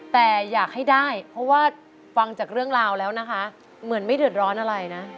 แต่อยากให้ได้เพราะว่าฟังจากเรื่องราวแล้วนะคะเหมือนไม่เดือดร้อนอะไรนะ